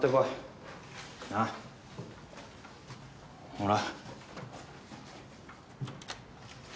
ほら。